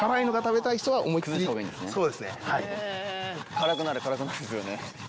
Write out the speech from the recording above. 辛く辛くなるんですよね。